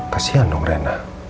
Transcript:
kasian dong reina